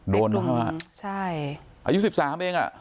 โดนว่าอายุ๑๓เองอ่ะ